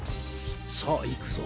さあいくぞ。